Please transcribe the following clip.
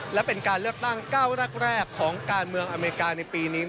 และเป็นการเลือกตั้งเก้าแรกของการเมืองอเมริกาในปีนี้